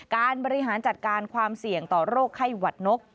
การบริหารจัดการความเสี่ยงต่อโรคไข้หวัดนก